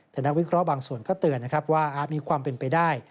แต่นักวิเคราะห์บางส่วนก็เตือนนะครับว่าอาจมีความเป็นไปได้